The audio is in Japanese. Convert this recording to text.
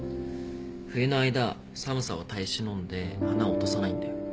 冬の間寒さを耐え忍んで花を落とさないんだよ。